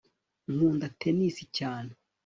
nkunda tennis cyane